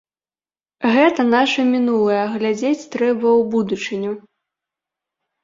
Гэта нашае мінулае, а глядзець трэба ў будучыню.